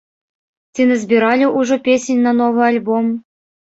Ці назбіралі ўжо песень на новы альбом?